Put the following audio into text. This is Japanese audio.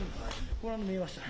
これ、見えました。